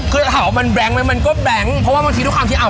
คือถ้าถามว่ามันแบลงก์มันมันก็แบลงก์เพราะว่าบางทีทุกค่าบางทีอ่า